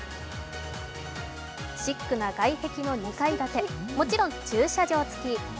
シックな外壁の２階建てもちろん駐車場付き。